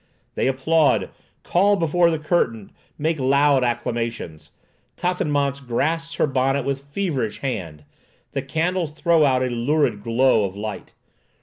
They applaud, call before the curtain, make loud acclamations! Tatanémance grasps her bonnet with feverish hand. The candles throw out a lurid glow of light.